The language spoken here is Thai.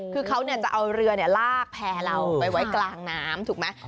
คือเขาจะเอาเรือลากแพร่เราไปไว้กลางน้ำถูกไหม